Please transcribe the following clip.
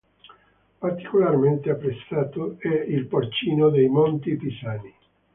Particolarmente apprezzato è il porcino dei Monti Pisani.